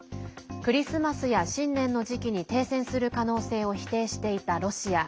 クリスマスや新年の時期に停戦する可能性を否定していたロシア。